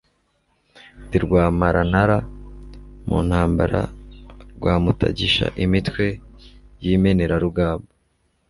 Ndi Rwamarnara mu ntambaraRwamutagisha imitwe y' Imenerarugamba